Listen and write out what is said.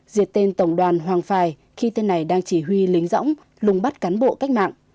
diệt tên tổng đoàn hoàng phải khi tên này đang chỉ huy lính dõng lùng bắt cán bộ cách mạng